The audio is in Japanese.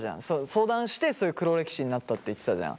相談してそういう黒歴史になったって言ってたじゃん。